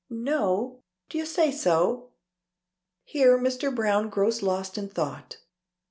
"No? D'ye say so?" Here Mr. Browne grows lost in thought.